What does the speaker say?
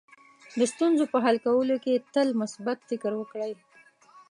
د ستونزو په حل کولو کې تل مثبت فکر وکړئ.